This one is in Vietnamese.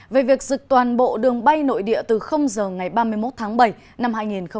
về việc dịch toàn bộ đường bay nội địa từ giờ ngày ba mươi một tháng bảy năm hai nghìn hai mươi